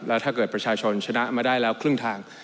แล้วถ้าเกิดประชาชนชนะมาได้แล้วครึ่งทาง